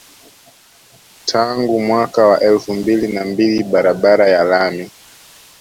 Tangu mwaka wa elfu mbili na mbili barabara ya lami